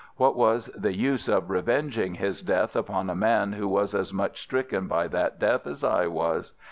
What was the use of revenging his death upon a man who was as much stricken by that death as I was?